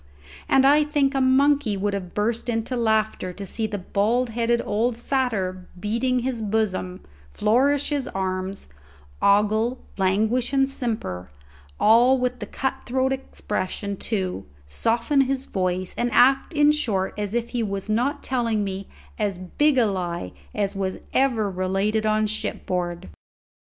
And I think a monkey would have burst into laughter to see the bald headed old satyr beat his bosom, flourish his arms, ogle, languish, and simper, all with a cut throat expression, too, soften his voice, and act in short as if he was not telling me as big a lie as was ever related on shipboard.